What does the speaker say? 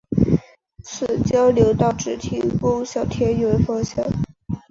此交流道只提供小田原方向。